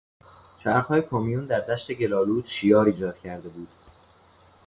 چرخهای کامیون در دشت گلآلود شیار ایجاد کرده بود.